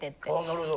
なるほど。